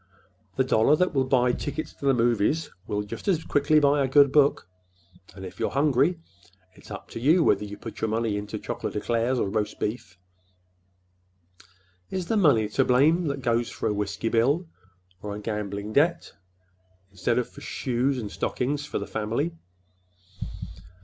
The dollar that will buy tickets to the movies will just as quickly buy a good book; and if you're hungry, it's up to you whether you put your money into chocolate eclairs or roast beef. Is the money to blame that goes for a whiskey bill or a gambling debt instead of for shoes and stockings for the family?"